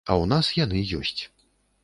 А ў нас яны ёсць.